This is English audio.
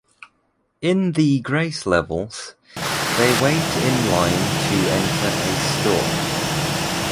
In the Grace levels, they wait in line to enter a store.